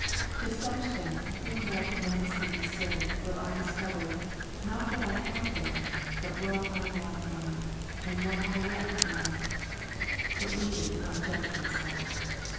To such then whom Thou commandest me to serve will I dis cover, not what I have been, but what I now am, and what I yet am. But neither do I judge myself.